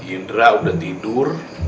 indra udah tidur